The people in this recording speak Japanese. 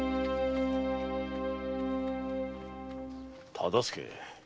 忠相。